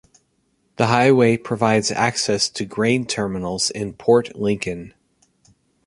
The highway provides access to grain terminals in Port Lincoln.